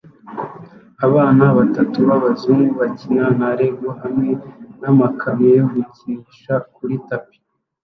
Abana batatu b'abazungu bakina na LEGO hamwe namakamyo yo gukinisha kuri tapi